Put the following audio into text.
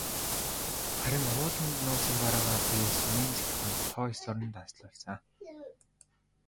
Харин ууланд нуусан бараагаа би сумын захиргаанд тоо ёсоор нь данслуулсан.